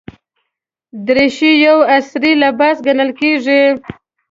دریشي یو عصري لباس ګڼل کېږي.